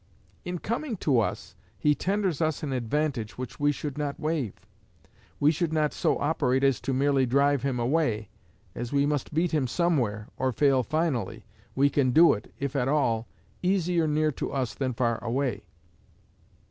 In coming to us, he tenders us an advantage which we should not waive. We should not so operate as to merely drive him away. As we must beat him somewhere, or fail finally, we can do it, if at all, easier near to us than far away.